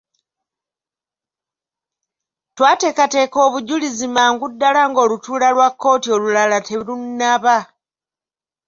Twateekateeka obujulizi amangu ddala ng'olutuula lwa kkooti olulala terunnaba.